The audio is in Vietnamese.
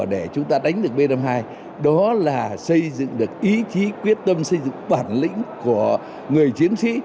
để chúng ta đánh được b năm mươi hai đó là xây dựng được ý chí quyết tâm xây dựng bản lĩnh của người chiến sĩ